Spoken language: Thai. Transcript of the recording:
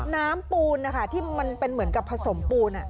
ปูนนะคะที่มันเป็นเหมือนกับผสมปูน